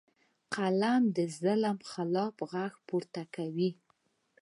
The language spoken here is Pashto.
فلم د ظلم خلاف غږ پورته کوي